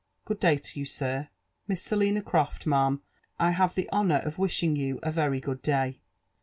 Good day to you, sir. M iss Selina Croft, ma am^ I have Iha honour of wisbi^ig you a very good day.